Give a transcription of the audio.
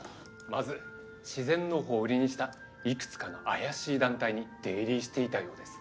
まず自然農法を売りにした幾つかの怪しい団体に出入りしていたようです。